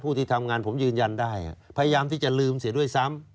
ที่ทำงานผมยืนยันได้พยายามที่จะลืมเสียด้วยซ้ำ